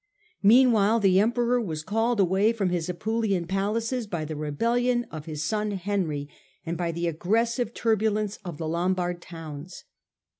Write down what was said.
Meanwhile the Emperor was called away from his Apulian palaces by the rebellion of his son Henry and by the aggressive turbulence of the Lombard towns.